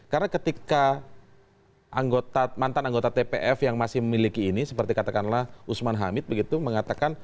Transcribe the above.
karena ketika mantan anggota tpf yang masih memiliki ini seperti katakanlah usman hamid begitu mengatakan